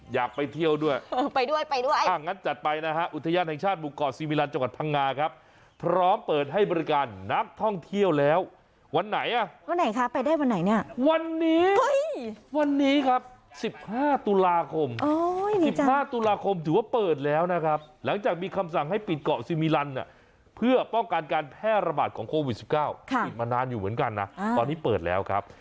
การแพร่ระบาดของโควิด๑๙ติดมานานอยู่เหมือนกันนะตอนนี้เปิดแล้วครับ